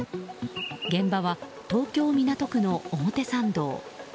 現場は東京・港区の表参道。